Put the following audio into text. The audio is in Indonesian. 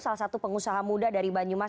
salah satu pengusaha muda dari banyumas